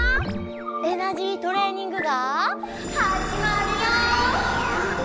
「エナジートレーニング」がはじまるよ！